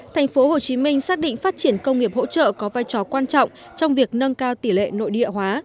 tp hcm xác định phát triển công nghiệp hỗ trợ có vai trò quan trọng trong việc nâng cao tỷ lệ nội địa hóa